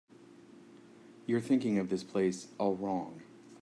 You're thinking of this place all wrong.